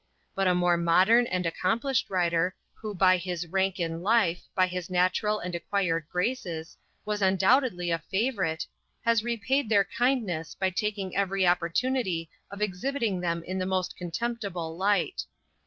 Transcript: But a more modern and accomplished writer who by his rank in life, by his natural and acquired graces, was undoubtedly a favorite, has repaid their kindness by taking every opportunity of exhibiting them in the most contemptible light.